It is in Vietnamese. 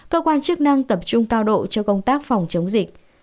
cơ quan chức năng tập trung cao độ cho công tác phòng chống dịch